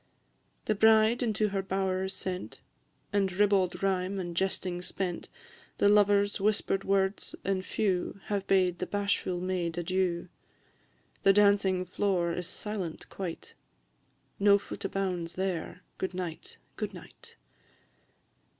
The bride into her bower is sent, And ribbald rhyme and jesting spent; The lover's whisper'd words and few Have bade the bashful maid adieu; The dancing floor is silent quite No foot bounds there, Good night, good night!